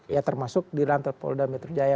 ya termasuk di rantai polda metro jaya